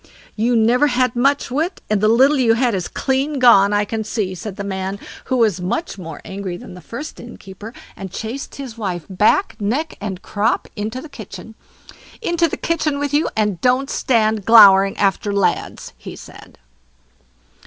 "You never had much wit, and the little you had is clean gone, I can see", said the man, who was much more angry than the first innkeeper, and chased his wife back, neck and crop, into the kitchen. "Into the kitchen with you, and don't stand glowering after lads", he said.